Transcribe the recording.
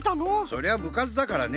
そりゃぶかつだからね。